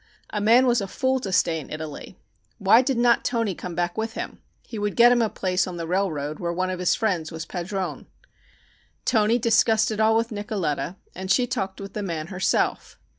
A man was a fool to stay in Italy. Why did not Toni come back with him? He would get him a place on the railroad where one of his friends was padrone. Toni discussed it all with Nicoletta, and she talked with the man herself.